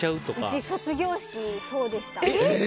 うち、卒業式、そうでした。